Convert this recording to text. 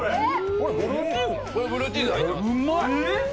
これ、ブルーチーズ入ってます。